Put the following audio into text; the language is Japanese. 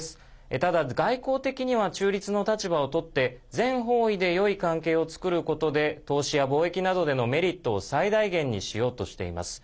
ただ、外交的には中立の立場をとって全方位でよい関係を作ることで投資や貿易などでのメリットを最大限にしようとしています。